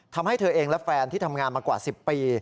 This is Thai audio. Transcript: ทำให้เธอเองและแฟนที่ทำงานมากว่า๑๐ปี